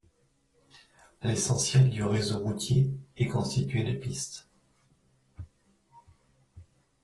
L'essentiel du réseau routier est constitué de pistes.